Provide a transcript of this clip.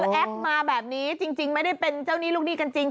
แอ๊กมาแบบนี้จริงไม่ได้เป็นเจ้าหนี้ลูกหนี้กันจริง